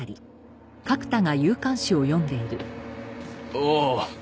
おお。